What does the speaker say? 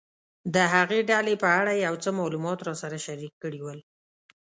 د هغې ډلې په اړه یې یو څه معلومات راسره شریک کړي ول.